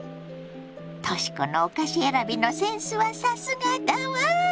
とし子のお菓子選びのセンスはさすがだわ。